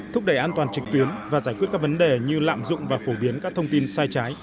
thúc đẩy an toàn trực tuyến và giải quyết các vấn đề như lạm dụng và phổ biến các thông tin sai trái